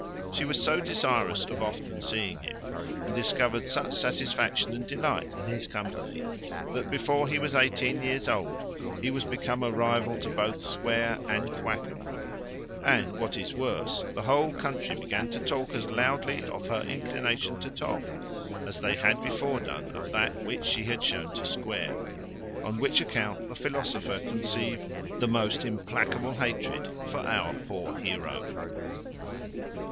She was so desirous of often seeing him, and discovered such satisfaction and delight in his company, that before he was eighteen years old he was become a rival to both Square and Thwackum; and what is worse, the whole country began to talk as loudly of her inclination to Tom, as they had before done of that which she had shown to Square: on which account the philosopher conceived the most implacable hatred for our poor heroe.